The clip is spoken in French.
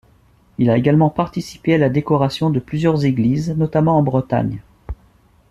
Il a également participé à la décoration de plusieurs églises, notamment en Bretagne.